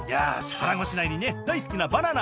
腹ごしらえにね大好きなバナナ